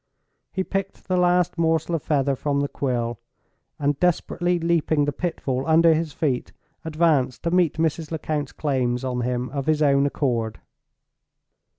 He picked the last morsel of feather from the quill; and, desperately leaping the pitfall under his feet, advanced to meet Mrs. Lecount's claims on him of his own accord.